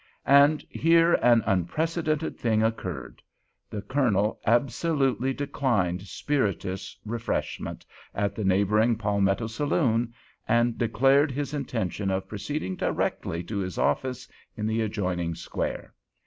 And here an unprecedented thing occurred. The Colonel absolutely declined spirituous refreshment at the neighboring Palmetto Saloon, and declared his intention of proceeding directly to his office in the adjoining square.